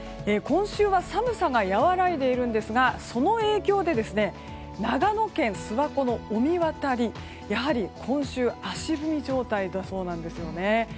今週は寒さが和らいでいるんですがその影響で長野県諏訪湖の御神渡りやはり今週足踏み状態だそうです。